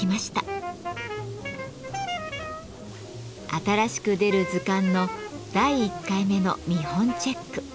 新しく出る図鑑の第１回目の見本チェック。